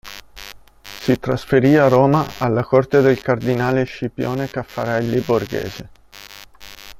Si trasferì a Roma alla corte del cardinale Scipione Caffarelli Borghese.